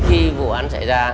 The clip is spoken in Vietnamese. khi vụ án xảy ra